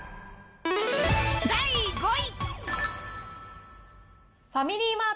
第５位。